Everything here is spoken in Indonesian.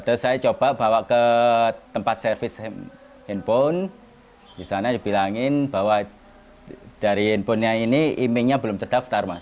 terus saya coba bawa ke tempat servis handphone di sana dibilangin bahwa dari handphonenya ini emailnya belum terdaftar mas